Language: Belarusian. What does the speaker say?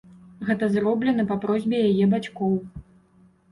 Гэта зроблена па просьбе яе бацькоў.